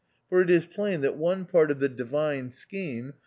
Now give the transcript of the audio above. For it is plain that one part of the Divine Scheme THE OUTCAST.